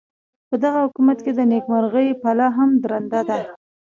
پدغه حکومت کې د نیکمرغۍ پله هم درنده ده.